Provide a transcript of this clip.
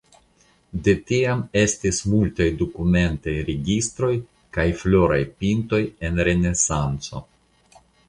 De tiam estis multaj dokumentaj registroj kaj floraj pintoj en la Renesanco.